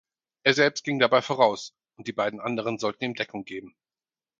Er selbst ging dabei voraus und die beiden anderen sollten ihm Deckung geben.